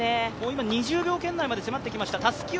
今、２０秒圏内まで迫ってきました。